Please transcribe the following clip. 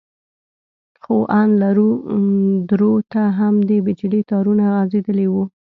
خو ان لرو درو ته هم د بجلي تارونه غځېدلي وو.